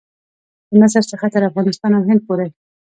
له مصر څخه تر افغانستان او هند پورې.